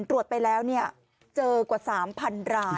ตรวจไปแล้วเจอกว่า๓๐๐๐ราย